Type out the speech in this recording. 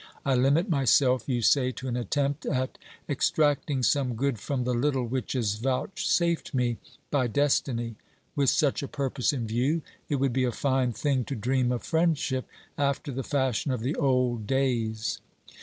I limit myself, you say, to an attempt at extract ing some good from the little which is vouchsafed me by destiny ; with such a purpose in view it would be a fine thing to dream of friendship after the fashion of the old days